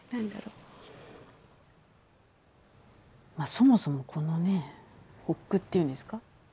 そもそもこのね発句っていうんですか？